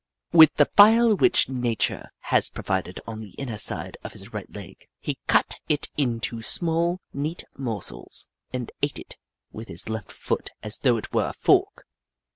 With the file which Nature has provided on the inner side of his right leg, he cut it into small, neat morsels and ate it with his left foot as though it were a fork.